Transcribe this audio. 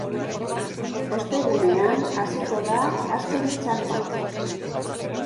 Ostegunean hasiko da azken txanpa.